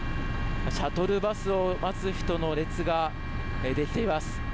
シャトルバスを待つ人の列ができています。